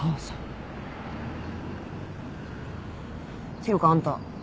ていうかあんた